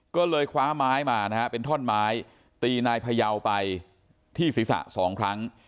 ก็เลยคว้าไม้มานะฮะเป็นท่อนไม้ตีนายพยาวไปที่ศีรษะ๒ครั้ง